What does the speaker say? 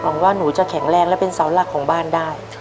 ว่าหนูจะแข็งแรงและเป็นเสาหลักของบ้านได้